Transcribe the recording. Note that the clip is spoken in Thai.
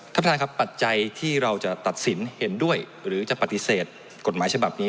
ท่านประธานครับปัจจัยที่เราจะตัดสินเห็นด้วยหรือจะปฏิเสธกฎหมายฉบับนี้